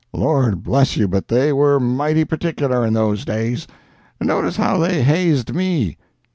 Lord bless you but they were mighty particular in those days! Notice how they hazed me!"